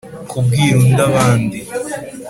kubwira undi abandi